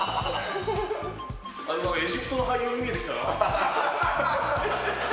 エジプトの俳優に見えてきた。